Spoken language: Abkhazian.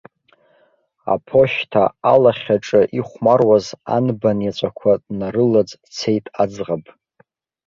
Аԥошьҭа алахь аҿы ихәмаруаз анбан иаҵәақәа днарылаӡ дцеит аӡӷаб.